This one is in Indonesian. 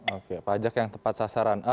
oke pajak yang tepat sasaran a